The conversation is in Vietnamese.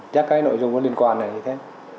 chắc cái nội dung có liên quan là như thế